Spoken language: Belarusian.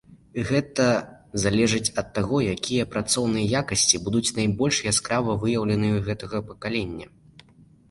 Гэта залежыць ад таго, якія працоўныя якасці будуць найбольш яскрава выяўленыя ў гэтага пакалення.